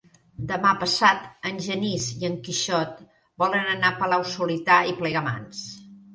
Demà passat en Genís i en Quixot volen anar a Palau-solità i Plegamans.